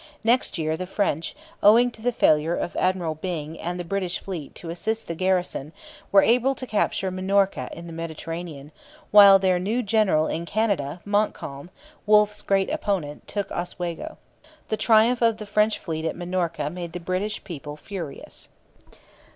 Next year the French, owing to the failure of Admiral Byng and the British fleet to assist the garrison, were able to capture Minorca in the Mediterranean; while their new general in Canada, Montcalm, Wolfe's great opponent, took Oswego. The triumph of the French fleet at Minorca made the British people furious.